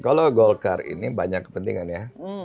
kalau golkar ini banyak kepentingan ya